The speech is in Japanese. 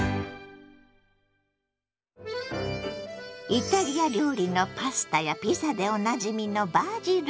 イタリア料理のパスタやピザでおなじみのバジル。